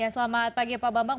selamat pagi pak bambang